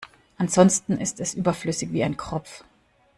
Ansonsten ist es überflüssig wie ein Kropf.